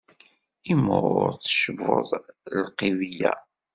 Imɣur tecbuḍ lkibiya.